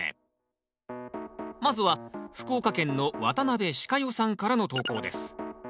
まずは福岡県の渡辺しか代さんからの投稿です。